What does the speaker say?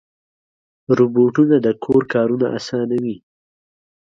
روبوټونه د کور کارونه اسانوي.